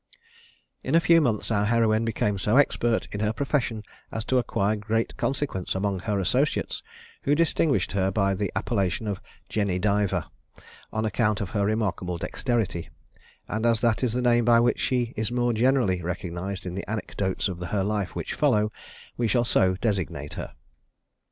In a few months our heroine became so expert in her profession as to acquire great consequence among her associates, who distinguished her by the appellation of Jenny Diver, on account of her remarkable dexterity; and as that is the name by which she is more generally recognised in the anecdotes of her life which follow, we shall so designate her.